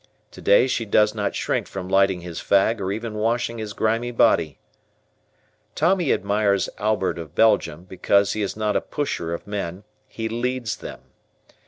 Today she does not shrink from lighting his fag or even washing his grimy body. Tommy admires Albert of Belgium because he is not a pusher of men, he LEADS them.